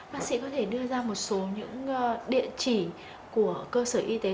bác sĩ có thể đưa ra một số những địa chỉ của cơ sở y tế